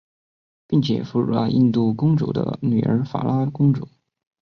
并且俘获了印度公王的女儿法拉公主。